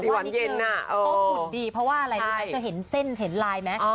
แต่ว่าวันนี้คือต้มหุ่นดีเพราะว่าอะไรเดี๋ยวมันจะเห็นเส้นเห็นลายไหม